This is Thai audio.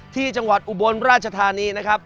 ที่จังหวัดอุบลราชธานีนะครับ